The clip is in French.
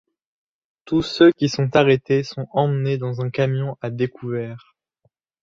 Tous ceux qui sont arrêtés sont emmenés dans un camion à découvert.